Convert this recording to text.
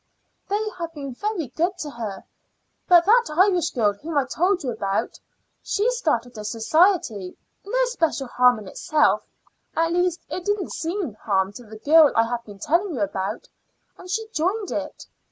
"They have been very good to her; but that Irish girl whom I told you about, she started a society no special harm in itself at least it didn't seem harm to the girl I have been telling you about, and she joined it.